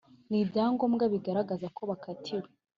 n ibyangombwa bigaragaza ko bakatiwe